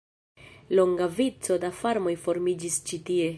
Longa vico da farmoj formiĝis ĉi tie.